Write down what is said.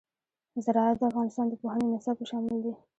زراعت د افغانستان د پوهنې نصاب کې شامل دي.